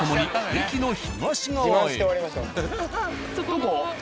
どこ？